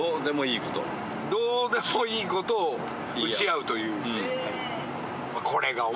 どうでもいいことを打ち合うという。